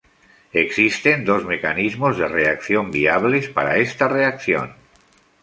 Existen dos mecanismos de reacción viables para esta reacción.